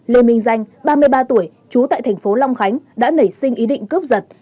lê minh danh ba mươi ba tuổi trú tại thành phố long khánh đã nảy sinh ý định cướp giật